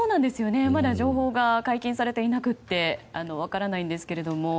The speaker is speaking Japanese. まだ情報が解禁されていなくて分からないんですが。